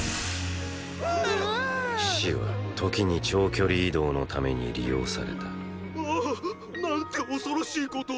死は時に長距離移動のために利用されたああなんて恐ろしいことを！